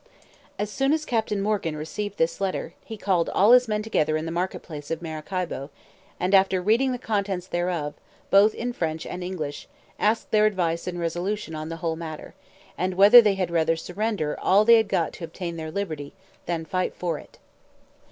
As soon as Captain Morgan received this letter, he called all his men together in the market place of Maracaibo, and after reading the contents thereof, both in French and English, asked their advice and resolution on the whole matter, and whether they had rather surrender all they had got to obtain their liberty, than fight for it.